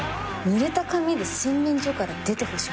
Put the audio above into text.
ぬれた髪で洗面所から出てほしくない。